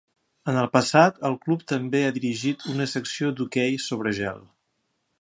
En el passat el club també ha dirigit una secció d'hoquei sobre gel.